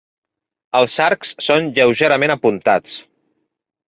Els arcs són lleugerament apuntats.